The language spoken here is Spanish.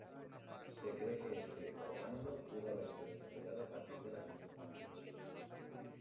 Se cree que este orgánulo pudo haberse desarrollado a partir de las mitocondrias.